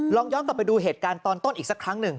ย้อนกลับไปดูเหตุการณ์ตอนต้นอีกสักครั้งหนึ่ง